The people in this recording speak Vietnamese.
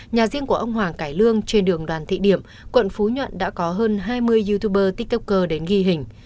nhà riêng của ông hoàng cải lương trên đường đoàn thị điểm quận phú nhuận đã có hơn hai mươi youtuber tích tốc cơ đến ghi hình